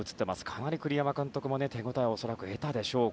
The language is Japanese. かなり栗山監督も手応えを得たでしょう